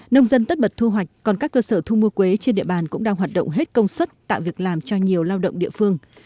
nông dân tất bật thu hoạch còn các cơ sở thu mua quế trên địa bàn cũng đang hoạt động hết công suất tạo việc làm cho nhiều lao động địa phương